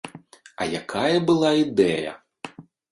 А якая была ідэя!